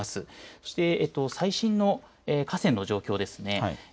そして最新の河川の状況です。